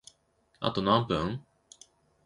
あと何分？